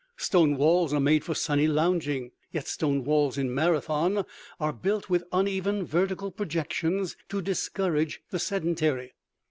Stone walls are made for sunny lounging; yet stone walls in Marathon are built with uneven vertical projections to discourage the sedentary.